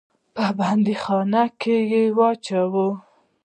په بندیخانه کې واچول سو.